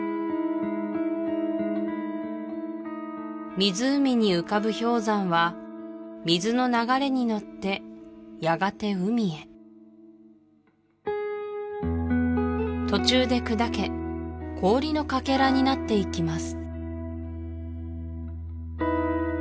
湖に浮かぶ氷山は水の流れにのってやがて海へ途中で砕け氷のかけらになっていきます